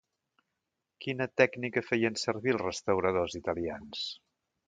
Quina tècnica feien servir els restauradors italians?